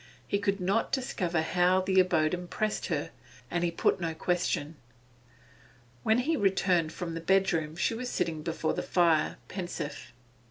He could not discover how the abode impressed her, and he put no question. When he returned from the bedroom she was sitting before the fire, pensive.